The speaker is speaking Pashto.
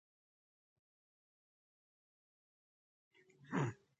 چې ما واده کړی، ښه نو په همدې خاطر.